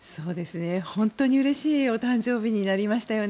本当にうれしいお誕生日になりましたよね。